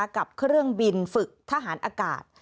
กับเครื่องบินฝึกทหารอากาศ